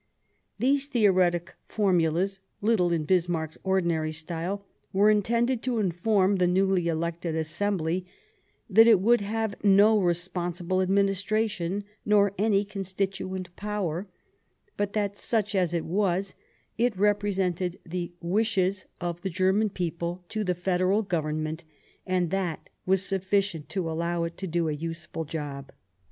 These theoretic formulas, little in Bismarck's ordinary style, were intended to inform the newly elected assembly that it would have no responsible administration, nor any constituent power ; but that, such as it was, it represented the wishes of the lOI Bismarck German people to the Federal Government, and that was sufficient to allow it to do a useful job.